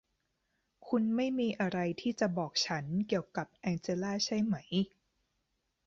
คุณไม่มีอะไรที่จะบอกฉันเกี่ยวกับแองเจลลาใช่ไหม